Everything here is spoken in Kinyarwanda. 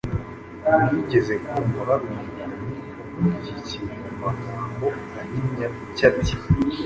Nigeze kumva hari umuntu uvuga iki kintu mu magambo ahinnye atya ati